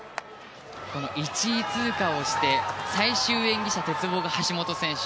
１位通過をして最終演技者、鉄棒が橋本選手